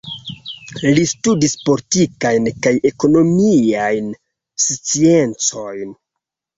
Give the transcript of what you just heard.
Li studis Politikajn kaj Ekonomiajn Sciencojn.